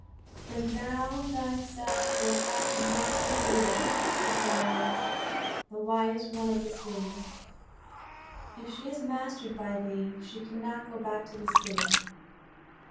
"Then thou thyself wilt have to master Thetis," said Nereus, the wise one of the sea. "If she is mastered by thee, she cannot go back to the sea.